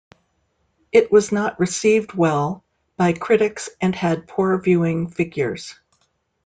It was not received well by critics and had poor viewing figures.